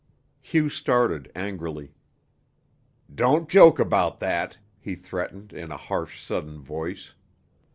Hugh started angrily. "Don't joke about that!" he threatened in a harsh, sudden voice.